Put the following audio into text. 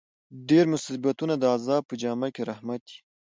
ډېر مصیبتونه د عذاب په جامه کښي رحمت يي.